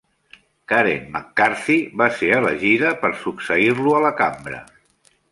Karen McCarthy va ser elegida per succeir-lo a la Cambra.